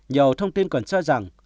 nhiều thông tin còn cho rằng